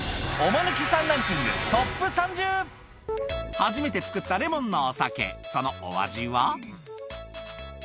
初めてつくったレモンのお酒そのお味は？